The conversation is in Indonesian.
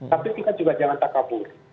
tapi kita juga jangan takabur